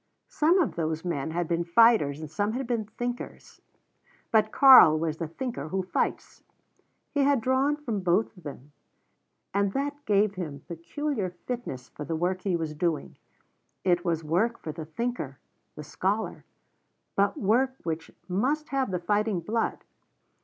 Some of those men had been fighters and some had been thinkers, but Karl was the thinker who fights. He had drawn from both of them, and that gave him peculiar fitness for the work he was doing. It was work for the thinker, the scholar, but work which must have the fighting blood.